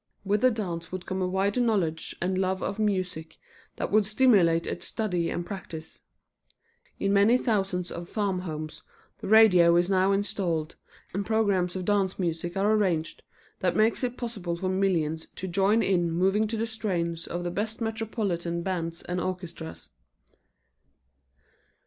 With the dance would come a wider knowledge and love of music that would stimulate its study and practice. In many thousands of farm homes the radio is now installed, and programs of dance music are arranged that make it possible for millions to join in moving to the strains of the best metropolitan bands and orchestras.